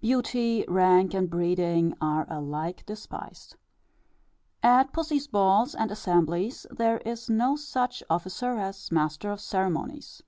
Beauty, rank, and breeding are alike despised. At pussy's balls and assemblies, there is no such officer as master of ceremonies.